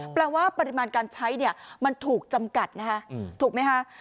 แปลว่าปริมาณการใช้เนี่ยมันถูกจำกัดนะคะถูกไหมคะ